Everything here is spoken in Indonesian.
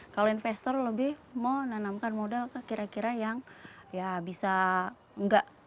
kalau investor lebih mau menanamkan modal kira kira yang bisa enggak